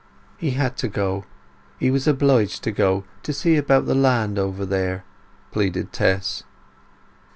"He had to go—he was obliged to go, to see about the land over there!" pleaded Tess.